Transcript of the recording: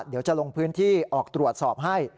เดี๋ยวจะลงพื้นที่ออกตรวจสอบให้